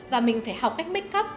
và mình phải học cách make up